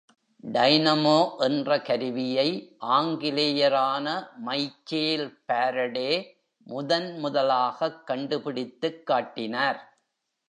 Dynamo என்ற கருவியை ஆங்கிலேயரான மைக்கேல் பாரடே முதன் முதலாகக் கண்டு பிடித்துக் காட்டினார்.